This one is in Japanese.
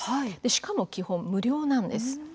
しかも基本無料なんです。